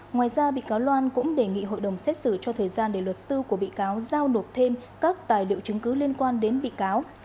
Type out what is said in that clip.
ngoài ra bị cáo loan cũng đề nghị hội đồng xét xử cho thời gian để luật sư của bị cáo giao nộp thêm các tài liệu chứng cứ liên quan đến bị cáo